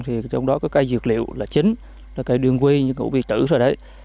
trong đó có cây dược liệu là chính cây đường huy như ngũ bị tử rồi đấy